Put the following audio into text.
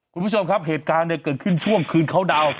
คุณผู้ชมครับเหตุการณ์เนี่ยเกิดขึ้นช่วงคืนเขาดาวน